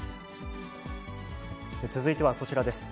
続いてはこちらです。